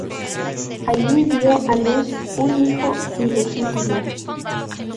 Allí dio a luz un hijo ilegítimo.